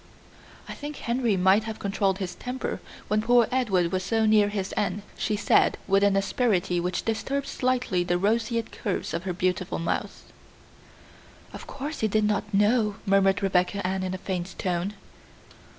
"I think Henry might have controlled his temper, when poor Edward was so near his end," she said with an asperity which disturbed slightly the roseate curves of her beautiful mouth. "Of course he did not know," murmured Rebecca Ann in a faint tone.